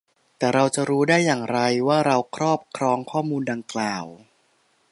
แต่เราจะรู้ได้อย่างไร ว่าเราครอบครองข้อมูลดังกล่าว ?